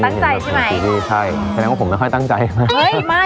ตั้งใจใช่ไหมใช่แสดงว่าผมไม่ค่อยตั้งใจนะ